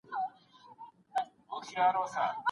املا د ژبي د ټولو برخو د همغږۍ مرکز دی.